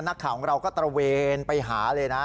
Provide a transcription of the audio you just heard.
นักข่าวของเราก็ตระเวนไปหาเลยนะ